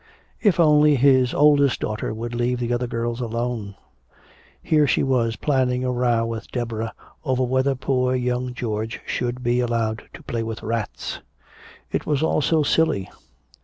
If only his oldest daughter would leave the other girls alone! Here she was planning a row with Deborah over whether poor young George should be allowed to play with rats! It was all so silly!...